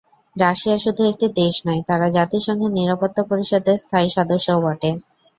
Russia শুধু একটি দেশ নয়, তারা জাতিসংঘের নিরাপত্তা পরিষদের স্থায়ী সদস্যও বটে।